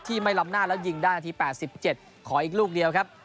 ที่ไม่ลำหน้ายิงด้านนาที๘๗ขออีกลูกเดียวครับ